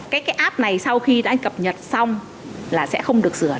cái app này sau khi đã anh cập nhật xong là sẽ không được sửa